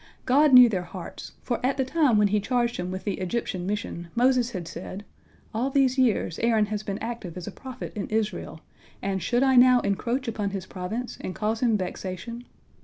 God knew their hearts, for at the time when He charged him with the Egyptian mission, Moses had said, "All these years Aaron has been active as a prophet in Israel, and should I now encroach upon his province and cause him vexation?"